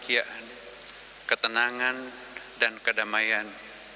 ketenangan kebahagiaan ketenangan dan kedamaian